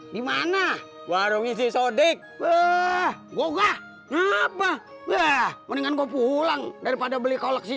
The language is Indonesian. gimana warung isi sodik wah gua ngapa wah mendingan gua pulang daripada beli koleksi